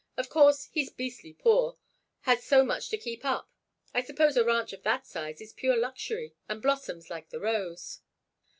Of course, he's beastly poor—has so much to keep up. I suppose a ranch of that size is pure luxury, and blossoms like the rose."